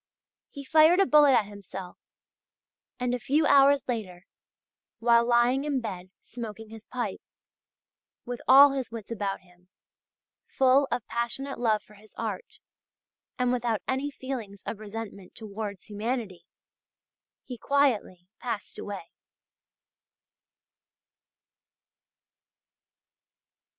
He fired a bullet at himself, and, a few hours later, while lying in bed smoking his pipe, with all his wits about him, full of passionate love for his art, and without any feelings of resentment towards humanity, he quietly passed away."